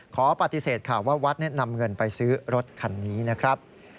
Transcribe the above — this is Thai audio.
ขอปฏิเสธข่าวว่าวัดนำเงินไปซื้อรถคันนี้นะครับ